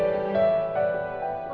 ketemu sama siapa